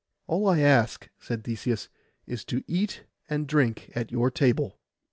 'All I ask,' said Theseus, 'is to eat and drink at your table.